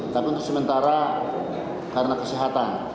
tapi untuk sementara karena kesehatan